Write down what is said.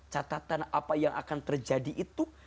catatan apa yang akan terjadi itu